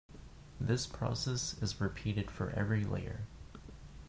This process is repeated for every layer.